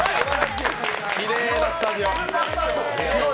きれいなスタジオ。